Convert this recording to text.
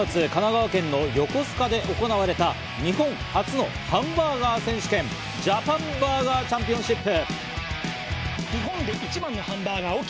先週末、神奈川県の横須賀で行われた日本初のハンバーガー選手権、ジャパンバーガーチャンピオンシップ。